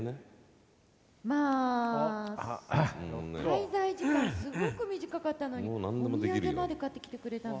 滞在時間すごく短かったのにお土産まで買ってきてくれたの？